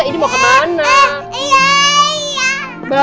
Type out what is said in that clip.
ini mau kemana